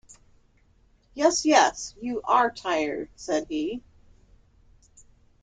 "Yes, yes, you are tired," said he.